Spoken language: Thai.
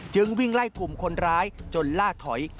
วิ่งไล่กลุ่มคนร้ายจนล่าถอย